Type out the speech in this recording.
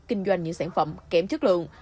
kinh doanh những sản phẩm kém chất lượng